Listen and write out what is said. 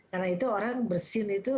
karena itu orang bersin itu